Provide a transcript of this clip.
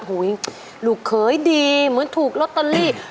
หุ้ยลูกเขยดีเหมือนถูกลอตเตอรี่